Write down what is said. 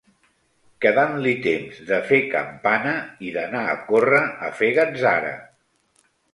Quedant-li temps de fer campana i d'anar a córrer a fer gatzara.